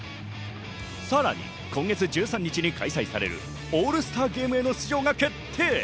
さらに、今月１３日に開催されるオールスターゲームへの出場が決定。